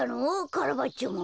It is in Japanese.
カラバッチョも？